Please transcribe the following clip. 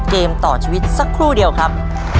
เกมต่อชีวิตสักครู่เดียวครับ